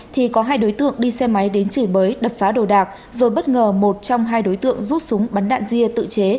thì có hai đối tượng đi xe máy đến chửi bới đập phá đồ đạc rồi bất ngờ một trong hai đối tượng rút súng bắn đạn ria tự chế